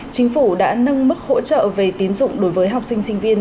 chính phủ đã nâng mức hỗ trợ về tín dụng đối với học sinh sinh viên